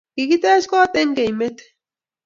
kikitech koot eng keimete